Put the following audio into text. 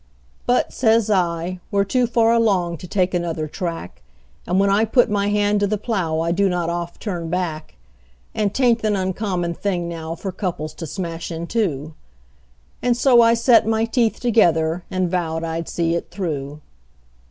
"But," says I, "we're too far along to take another track, And when I put my hand to the plow I do not oft turn back; And 'tain't an uncommon thing now for couples to smash in two;" And so I set my teeth together, and vowed I'd see it through.